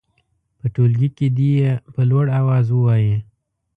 په ټولګي کې دې یې په لوړ اواز ووايي.